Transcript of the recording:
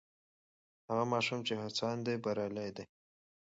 هغه ماشوم چې هڅاند دی بریالی دی.